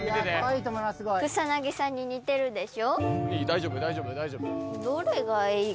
草薙さんに似てるでしょ。